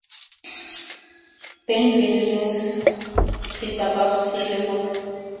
Badbury Rings sits above sea level.